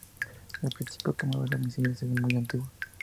El principio que mueve a los misiles es muy antiguo.